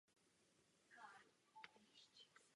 Zároveň došlo k povýšení z městského muzea na okresní.